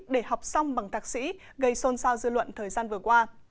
để học xong bằng thạc sĩ gây xôn xao dư luận thời gian vừa qua